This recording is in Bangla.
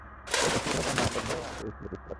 ওই পিচ্চি ছেলেটা মারাত্নকভাবে আহত হয়েছিল বুঝতে পারছি!